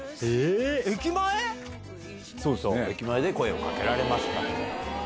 「駅前で声をかけられました」。